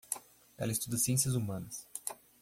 Ela estuda Ciências Humanas.